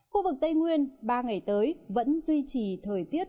khu vực tây nguyên ba ngày tới vẫn duy trì thời tiết